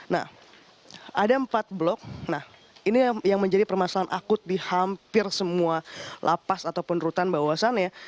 nah ada empat blok nah ini yang menjadi permasalahan akut di hampir semua lapas ataupun rutan bahwasannya